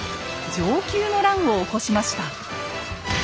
「承久の乱」を起こしました。